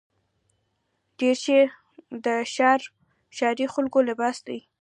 دریشي د ښاري خلکو لباس دی.